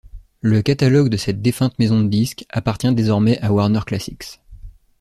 Le catalogue de cette défunte maison de disques appartient désormais à Warner Classics.